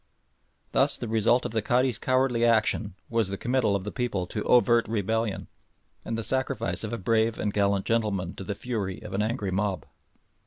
Thus the first result of the Cadi's cowardly action was the committal of the people to overt rebellion, and the sacrifice of a brave and gallant gentleman to the fury of an angry mob.